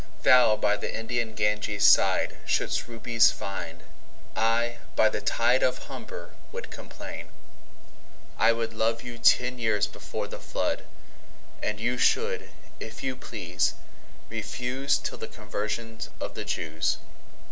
Thou by the Indian Ganges sideShould'st Rubies find: I by the TideOf Humber would complain. I wouldLove you ten years before the Flood:And you should if you please refuseTill the Conversion of the Jews.